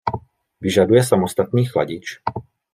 Vyžaduje samostatný chladič.